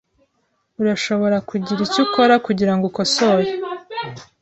Urashobora kugira icyo ukora kugirango ukosore?